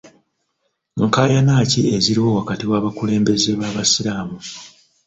Nkaayana ki eziriwo wakati w'abakulembeze b'abasiraamu?